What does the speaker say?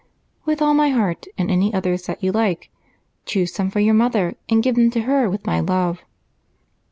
"With all my heart, and any others that you like. Choose some for your mother and give them to her with my love."